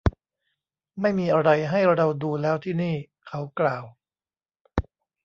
ไม่มีอะไรให้เราดูแล้วที่นี่ เขากล่าว